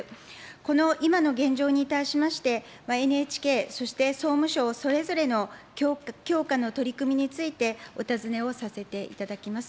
この今の現状に対しまして、ＮＨＫ、そして総務省、それぞれの強化の取り組みについてお尋ねをさせていただきます。